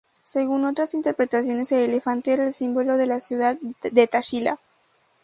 Según otras interpretaciones el elefante era el símbolo de la ciudad de Taxila.